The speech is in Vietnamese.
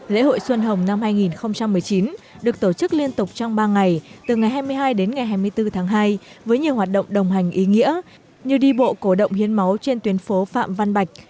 lễ hội xuân hồng năm hai nghìn một mươi chín được tổ chức liên tục trong ba ngày từ ngày hai mươi hai đến ngày hai mươi bốn tháng hai với nhiều hoạt động đồng hành ý nghĩa như đi bộ cổ động hiến máu trên tuyến phố phạm văn bạch